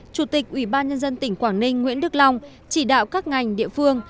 chủ tịch ủy ban nhân dân tỉnh quảng ninh nguyễn đức long chỉ đạo các ngành địa phương